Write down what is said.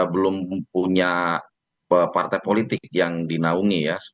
belum punya partai politik yang dinaungi ya